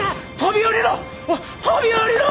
飛び降りろ！